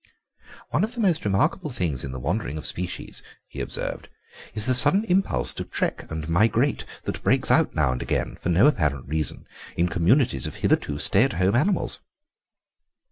"One of the most remarkable things in the wanderings of species," he observed, "is the sudden impulse to trek and migrate that breaks out now and again, for no apparent reason, in communities of hitherto stay at home animals."